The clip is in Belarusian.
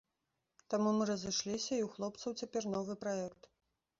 Таму мы разышліся і ў хлопцаў цяпер новы праект.